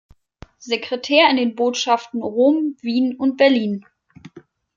Sekretär in den Botschaften Rom, Wien und Berlin.